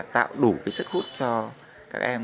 tạo đủ sức hút cho các em